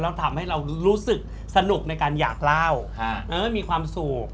แล้วทำให้เรารู้สึกสนุกในการอยากเล่ามีความสุข